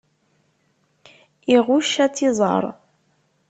Iɣucc ad tt-iẓer.